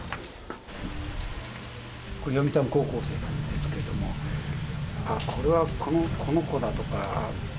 これ読谷高校生なんですけどもこれはこの子だとか。